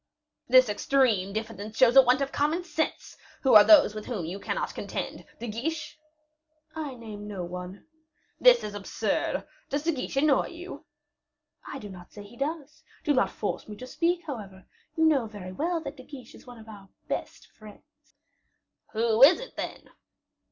"This extreme diffidence shows a want of common sense. Who are those with whom you cannot contend? De Guiche?" "I name no one." "This is absurd. Does De Guiche annoy you?" "I do not say he does; do not force me to speak, however; you know very well that De Guiche is one of our best friends." "Who is it, then?"